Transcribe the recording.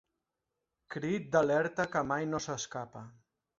Crit d'alerta que mai no s'escapa.